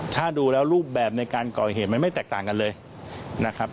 ถ้าดูแล้วรูปแบบในการก่อเหตุมันไม่แตกต่างกันเลยนะครับ